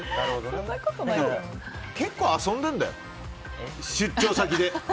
結構遊んでるんだよ、出張先で。